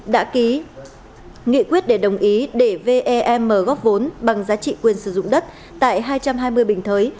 đã ký nghị quyết để đồng ý để vem góp vốn bằng giá trị quyền sử dụng đất tại hai trăm hai mươi bình thới